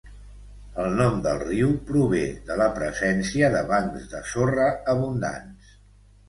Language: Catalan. El nom del riu prové de la presència de bancs de sorra abundants.